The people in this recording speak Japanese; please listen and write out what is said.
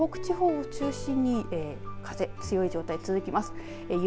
特に、東北地方を中心に風、強い状態が続きます。